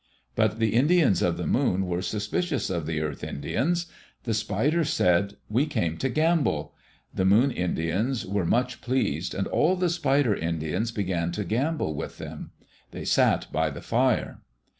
But the Indians of the Moon were suspicious of the Earth Indians. The Spiders said, "We came to gamble." The Moon Indians were much pleased and all the Spider Indians began to gamble with them. They sat by the fire.